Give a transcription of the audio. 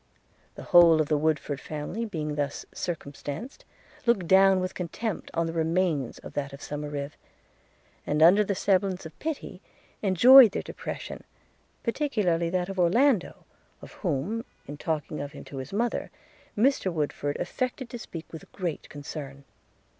The whole of the Woodford family, being thus circumstanced, looked down with contempt on the remains of that of Somerive; and, under the semblance of pity, enjoyed their depression, particularly that of Orlando, of whom, in talking of him to his mother, Mr Woodford affected to speak with great concern.